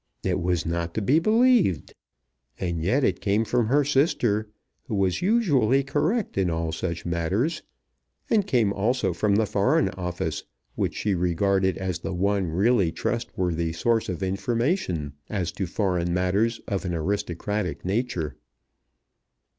It was not to be believed. And yet it came from her sister, who was usually correct in all such matters; and came also from the Foreign Office, which she regarded as the one really trustworthy source of information as to foreign matters of an aristocratic nature.